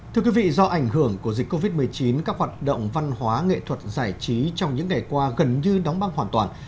thưa quý vị do ảnh hưởng của dịch covid một mươi chín các hoạt động văn hóa nghệ thuật giải trí trong những ngày qua gần như đóng băng hoàn toàn